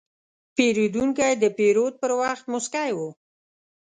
پیرودونکی د پیرود پر وخت موسکی و.